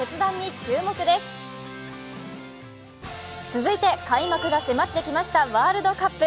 続いて、開幕が迫ってきましたワールドカップ。